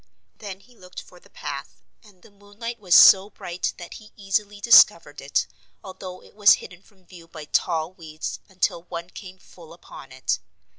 Then he looked for the path and the moonlight was so bright that he easily discovered it, although it was hidden from view by tall weeds until one came full upon it.